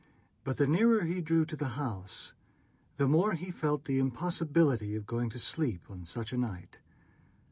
But the nearer he drew to the house the more he felt the impossibility of going to sleep on such a night.